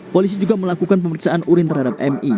polisi juga melakukan pemeriksaan urin terhadap mi